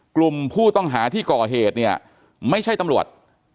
กลุ่มผู้ต้องหาที่ก่อเหตุเนี่ยไม่ใช่ตำรวจ